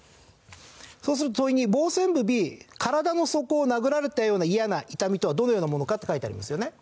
そうすると「問２傍線部Ｂ“身体の底を殴られたような厭な痛み”とはどのようなものか」って書いてありますよね。